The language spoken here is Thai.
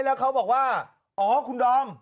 แล้วเขาบอกว่าอ๋อคุณดอม